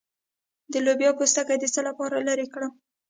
د لوبیا پوستکی د څه لپاره لرې کړم؟